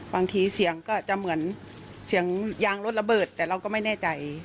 บางทีเสียงก็จะเหมือนเสียงยางรถระเบิดแต่เราก็ไม่แน่ใจ